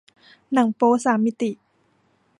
หนังโป๊สามมิติ